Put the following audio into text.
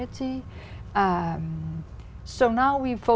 chúng tôi có